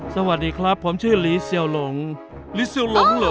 สวัสดีครับผมชื่อลีเสี่ยวรังลีเสี่ยวรังเหรอ